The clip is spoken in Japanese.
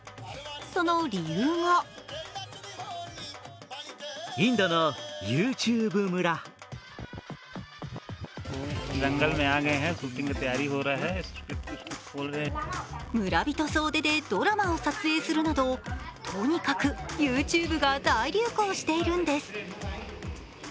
その理由が村人総出でドラマを撮影するなど、とにかくＹｏｕＴｕｂｅが大流行しているんです。